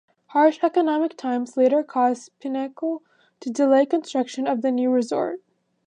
Harsh economic times later caused Pinnacle to delay construction of the new resort.